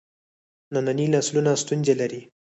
ننني نسلونه ستونزې لري.